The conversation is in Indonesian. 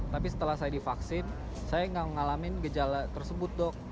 tapi setelah saya divaksin saya nggak mengalami gejala tersebut dok